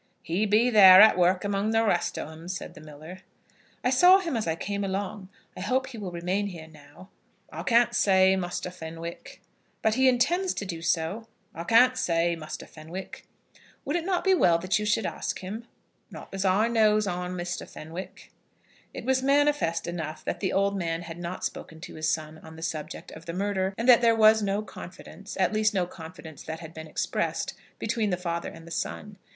"He be there, at work among the rest o' 'em," said the miller. "I saw him as I came along. I hope he will remain here now." "I can't say, Muster Fenwick." "But he intends to do so?" "I can't say, Muster Fenwick." "Would it not be well that you should ask him?" "Not as I knows on, Muster Fenwick." It was manifest enough that the old man had not spoken to his son on the subject of the murder, and that there was no confidence, at least, no confidence that had been expressed, between the father and the son.